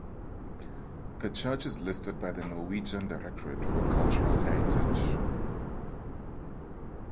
The church is listed by the Norwegian Directorate for Cultural Heritage.